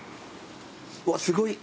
わっすごい。